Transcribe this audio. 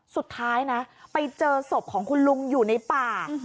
สุดท้ายนะไปเจอศพของคุณลุงอยู่ในป่า